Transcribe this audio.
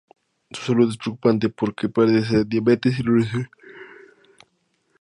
Su salud es preocupante porque padece diabetes y no recibe la medicación necesaria.